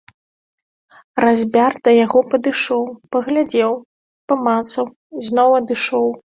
Разьбяр да яго падышоў, паглядзеў, памацаў, зноў адышоў.